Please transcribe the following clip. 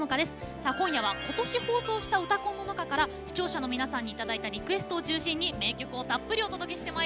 さあ今夜は今年放送した「うたコン」の中から視聴者の皆さんに頂いたリクエストを中心に名曲をたっぷりお届けしてまいります。